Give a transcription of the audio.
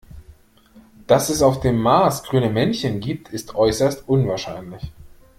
Dass es auf dem Mars grüne Männchen gibt, ist äußerst unwahrscheinlich.